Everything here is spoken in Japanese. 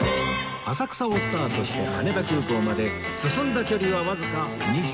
浅草をスタートして羽田空港まで進んだ距離はわずか２７キロ